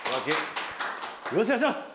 よろしくお願いします！